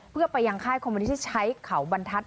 เพื่อไปยังค่ายคอมมินิที่ใช้เขาบรรทัศน